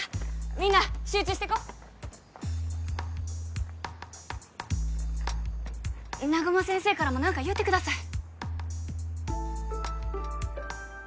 みんな集中してこ南雲先生からも何か言うてください